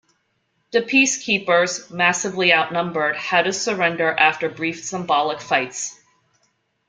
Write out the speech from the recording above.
The peace-keepers, massively out-numbered, had to surrender after brief symbolic fights.